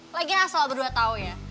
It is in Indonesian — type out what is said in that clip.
lagi asal berdua tau ya